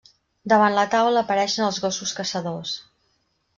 Davant la taula apareixen els gossos caçadors.